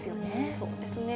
そうですね。